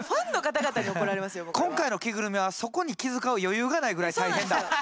今回の着ぐるみはそこに気遣う余裕がないぐらい大変だ！